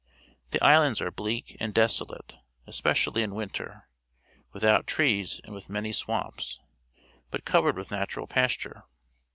The islands are bleak and desolate, especially in winter, without trees and with many swamps, but covered with natural pasture.